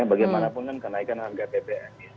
bagaimanapun kenaikan harga bbm